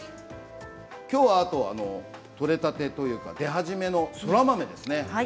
きょうはあと取れたてというか出始めのそら豆ですね。